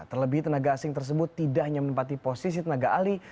terlebih tenaga asing tersebut tidak hanya menempati posisi tenaga ahli